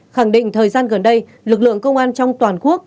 khẳng định thời gian gần đây lực lượng công an trong toàn quốc